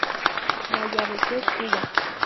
Mayabeque, Cuba.